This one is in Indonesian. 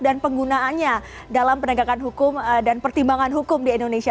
dan penggunaannya dalam penegakan hukum dan pertimbangan hukum di indonesia